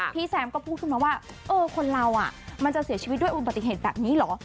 แซมก็พูดขึ้นมาว่าเออคนเรามันจะเสียชีวิตด้วยอุบัติเหตุแบบนี้เหรอ